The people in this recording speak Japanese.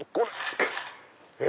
え